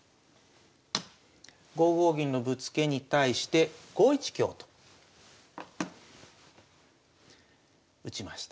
５五銀のぶつけに対して５一香と打ちました。